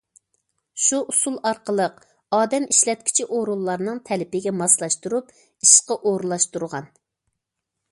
شۇ ئۇسۇل ئارقىلىق ئادەم ئىشلەتكۈچى ئورۇنلارنىڭ تەلىپىگە ماسلاشتۇرۇپ ئىشقا ئورۇنلاشتۇرغان.